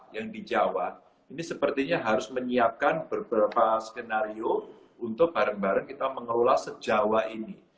yang di jawa ini sepertinya harus menyiapkan beberapa skenario untuk bareng bareng kita mengelola se jawa ini